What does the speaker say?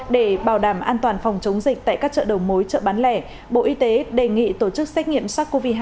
để bảo đảm an toàn phòng chống dịch tại các chợ đầu mối chợ bán lẻ bộ y tế đề nghị tổ chức xét nghiệm sars cov hai